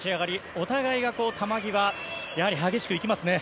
お互いが球際やはり激しくいきますね。